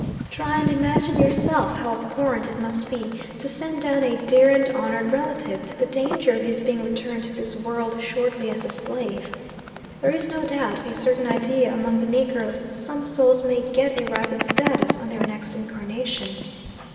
Try and imagine yourself how abhorrent it must be to send down a dear and honoured relative to the danger of his being returned to this world shortly as a slave. There is no doubt a certain idea among the Negroes that some souls may get a rise in status on their next incarnation.